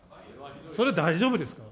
それ、大丈夫ですか。